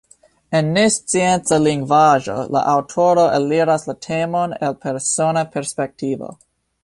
En nescienca lingvaĵo la aŭtoro aliras la temon el persona perspektivo.